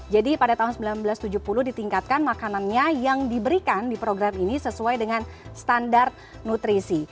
jadi pada tahun seribu sembilan ratus tujuh puluh ditingkatkan makanannya yang diberikan di program ini sesuai dengan standar nutrisi